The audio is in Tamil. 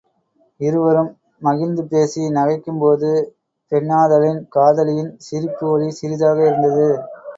இருவரும் மகிழ்ந்து பேசி நகைக்கும்போது, பெண்ணாதலின் காதலியின் சிரிப்பு ஒலி சிறிதாக இருந்தது.